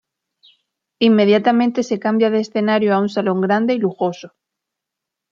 Inmediatamente se cambia de escenario a un salón grande y lujoso.